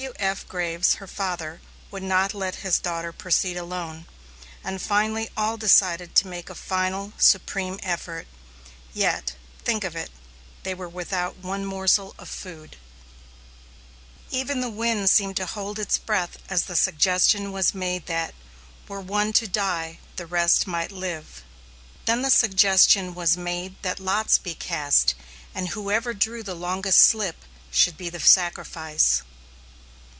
W.F. Graves, her father, would not let his daughter proceed alone, and finally all decided to make a final, supreme effort. Yet think of it they were without one morsel of food! Even the wind seemed to hold its breath as the suggestion was made that, "were one to die, the rest might live." Then the suggestion was made that lots be cast, and whoever drew the longest slip should be the sacrifice.